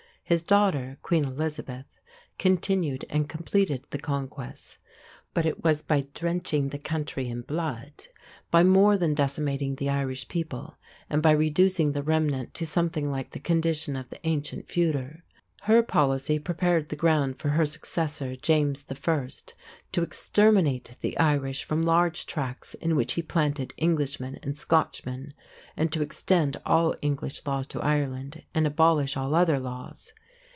His daughter, Queen Elizabeth, continued and completed the conquest; but it was by drenching the country in blood, by more than decimating the Irish people, and by reducing the remnant to something like the condition of the ancient fuidre. Her policy prepared the ground for her successor, James I., to exterminate the Irish from large tracts, in which he planted Englishmen and Scotchmen, and to extend all English laws to Ireland and abolish all other laws.